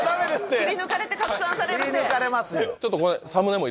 切り抜かれて拡散される。